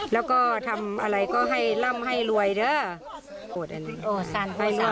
แล้วก็ทำอะไรก็ให้ร่ำให้รวยเถอะ